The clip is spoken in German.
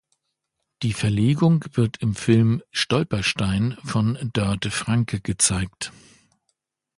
Die Verlegung wird im Film Stolperstein von Dörte Franke gezeigt.